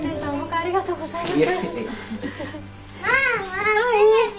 ありがとうございます。